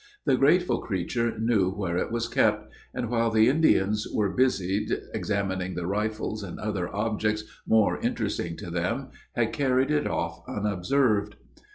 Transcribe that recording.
The grateful creature knew where it was kept; and while the Indians were busied examining the rifles and other objects more interesting to them, had carried it off unobserved.